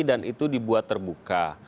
dan itu dibuat terbuka